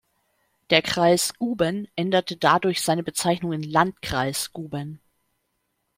Der Kreis Guben änderte dadurch seine Bezeichnung in "Landkreis" Guben.